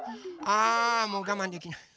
あもうがまんできない。